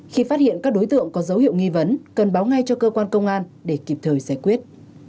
khi phát hiện các đối tượng có dấu hiệu nghi vấn cần báo ngay cho cơ quan công an để kịp thời giải quyết